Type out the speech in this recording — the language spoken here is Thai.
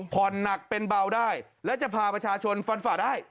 หนักเป็นเบาได้และจะพาประชาชนฟันฝ่าได้